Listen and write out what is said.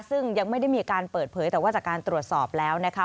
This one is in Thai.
ซึ่งยังไม่ได้มีการเปิดเผยแต่ว่าจากการตรวจสอบแล้วนะคะ